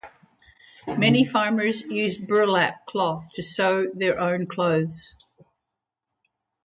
Many farmers used burlap cloth to sew their own clothes.